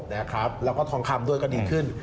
แล้วก็ทองคำด้วยก็ดีขึ้น